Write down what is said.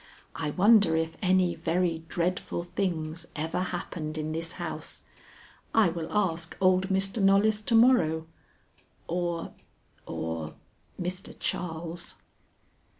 I wonder if any very dreadful things ever happened in this house? I will ask old Mr. Knollys to morrow, or or Mr. Charles.